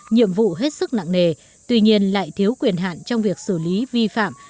nhiệm vụ hết sức nặng nề tuy nhiên lại thiếu quyền hạn trong việc xử lý vi phạm